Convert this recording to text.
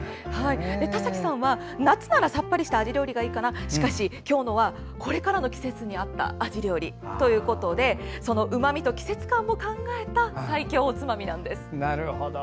田崎さんは、夏ならさっぱりしたアジ料理がいいかなしかし、今日のはこれからの季節に合ったアジ料理ということでそのうまみと季節感も考えたなるほど。